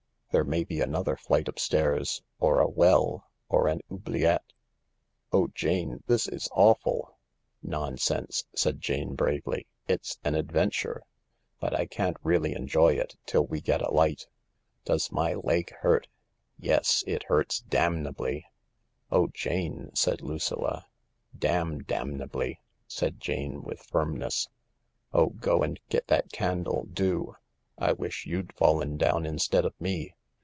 There may be another flight of stairs, or a well, or an oubliette." "Oh, Jane— this is awful !"" Nonsense !" said Jane bravely. " It's an adventure ; but I can't really enjoy it till we get a light. Does my leg hurt ? Yes— it hurts damnably." "Oh, Jane! " said Lucilla. "Damn damnably," said Jane with firmness. "Oh, go and get that candle, do. I wish you'd fallen down instead of me.